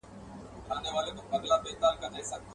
بیا به دی او خپله توره طویله سوه.